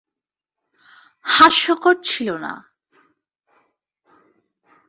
হাস্যকর ছিল না।